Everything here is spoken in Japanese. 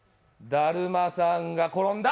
だるまさんが転んだ。